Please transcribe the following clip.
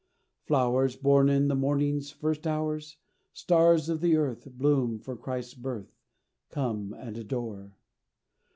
Flowers, Born in the morning's first hours, Stars of the earth, Bloom for Christ's birth, Come and adore.